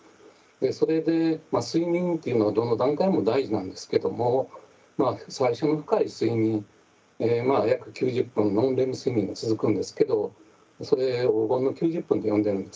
それで睡眠というのはどの段階も大事なんですけども最初の深い睡眠約９０分のノンレム睡眠が続くんですけどそれ黄金の９０分と呼んでいるんですね。